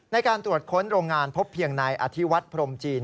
ในการตรวจค้นโรงงานพบเพียงนายอธิวัฒน์พรมจีน